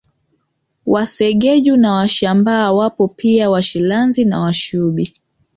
Wasegeju na Washambaa wapo pia Washirazi na Washubi